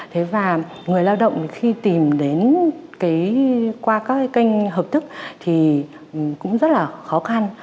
thế và người lao động khi tìm đến cái qua các cái kênh hợp thức thì cũng rất là khó khăn